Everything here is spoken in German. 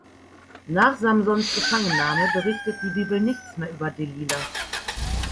Nach Samsons Gefangennahme berichtet die Bibel nichts mehr über Delila.